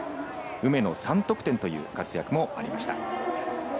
梅野３得点という活躍もありました。